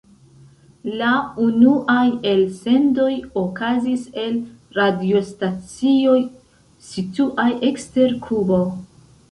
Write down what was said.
La unuaj elsendoj okazis el radiostacioj situaj ekster Kubo.